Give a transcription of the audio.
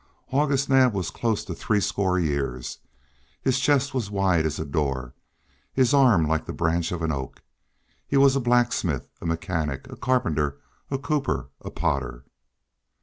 August Naab was close to threescore years; his chest was wide as a door, his arm like the branch of an oak. He was a blacksmith, a mechanic, a carpenter, a cooper, a potter.